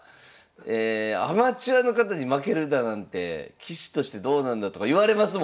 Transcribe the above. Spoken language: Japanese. アマチュアの方に負けるだなんて棋士としてどうなんだとか言われますもんね。